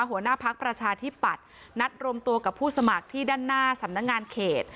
หัวหน้าพักประชาธิปัตย์นัดรวมตัวกับผู้สมัครที่ด้านหน้าสำนักงานเขต